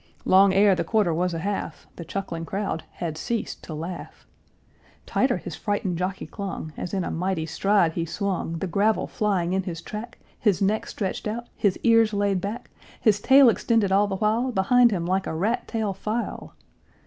Long ere the quarter was a half, The chuckling crowd had ceased to laugh; Tighter his frightened jockey clung As in a mighty stride he swung, The gravel flying in his track, His neck stretched out, his ears laid back, His tail extended all the while Behind him like a rat tail file!